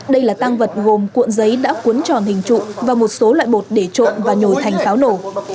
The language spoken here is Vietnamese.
đây là tang vật gồm cuộn giấy đã cuốn tròn hình trụ và một số loại bột để trộm và nhồi thành pháo nổ